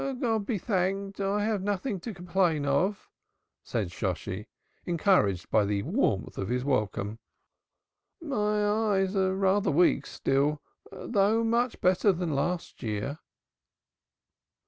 "God be thanked, I have nothing to complain of," said Shosshi, encouraged by the warmth of his welcome. "My eyes are rather weak, still, though much better than last year."